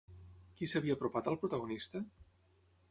Qui s'havia apropat al protagonista?